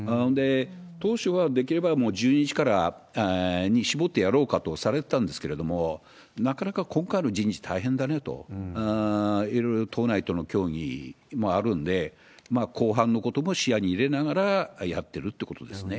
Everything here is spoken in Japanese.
当初はできればもう１２日からに絞ってやろうかとされてたんですけれども、なかなか今回の人事大変だねと、いろいろ党内との協議もあるんで、後半のことも視野に入れながらやってるってことですね。